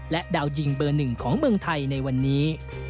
ดาวยิงเบอร์หนึ่งของเมืองไทยในวันนี้